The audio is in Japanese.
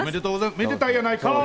めでたいやないかーい！